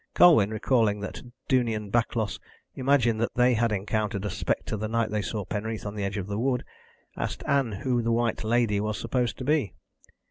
Colwyn, recalling that Duney and Backlos imagined they had encountered a spectre the night they saw Penreath on the edge of the wood, asked Ann who the "White Lady" was supposed to be.